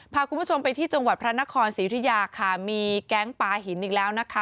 พาคุณผู้ชมไปที่จังหวัดพระนครศรียุธิยาค่ะมีแก๊งปลาหินอีกแล้วนะคะ